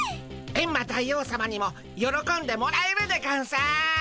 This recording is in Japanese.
エンマ大王さまにもよろこんでもらえるでゴンス。